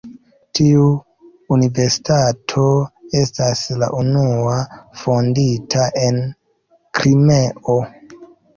Tiu universitato estas la unua fondita en Krimeo.